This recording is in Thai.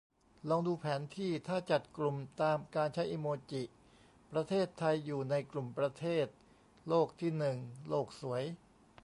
ลองดูแผนที่ ถ้าจัดกลุ่มตามการใช้อิโมจิ ประเทศไทยอยู่ในกลุ่มประเทศโลกที่หนึ่ง ! โลกสวย